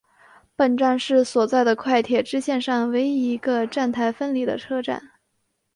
本站是所在的快铁支线上唯一一个站台分离的车站。